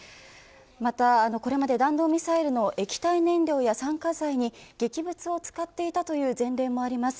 また、これまで弾道ミサイルの液体燃料や酸化剤に劇物を使っていたという前例もあります。